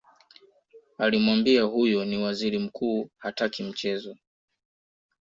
alimwambia huyo ni waziri mkuu hataki mchezo